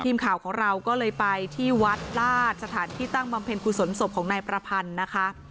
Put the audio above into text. ทีมข่าวของเราก็เลยไปที่วัดลาดสถานที่ตั้งบำเพ็ญกุศลศพของนายประพันธ์นะคะ